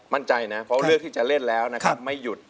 มั่นใจนะเพราะเลือกที่จะเล่นแล้วนะครับไม่หยุด